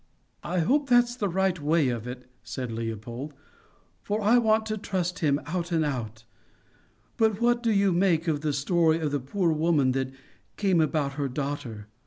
"I hope that's the right way of it," said Leopold, "for I want to trust him out and out. But what do you make of the story of the poor woman that came about her daughter?